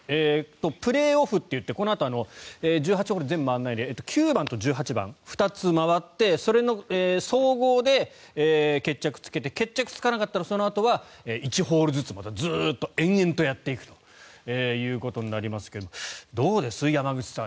プレーオフといって、このあと１８ホール全部回らないで９番と１８番２つ回ってそれの総合で決着をつけて決着がつかなかったらそのあとは１ホールずつまたずっと延々とやっていくということになりますがどうです、山口さん。